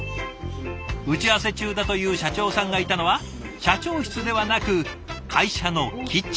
打ち合わせ中だという社長さんがいたのは社長室でなく会社のキッチン。